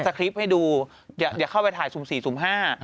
คริปต์ให้ดูอย่าเข้าไปถ่ายสุ่มสี่สุ่มห้า